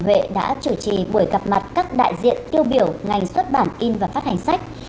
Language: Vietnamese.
chủ tịch quốc hội đã chủ trì buổi gặp mặt các đại diện tiêu biểu ngành xuất bản in và phát hành sách